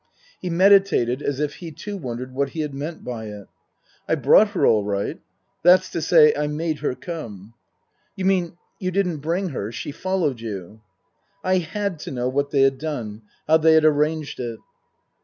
He meditated as if he too wondered what he had meant by it. " I brought her all right. That's to say, I made hei come." " You mean you didn't bring her ? She followed you ?" (I had to know what they had done, how they had arranged it.)